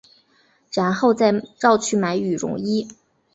然后再绕去买羽绒衣